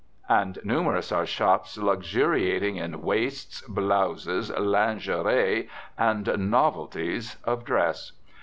And numerous are shops luxuriating in waists, "blouses," lingerie, and "novelties" of dress.